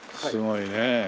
すごいねえ。